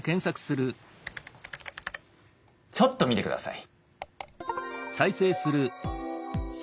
ちょっと見てください。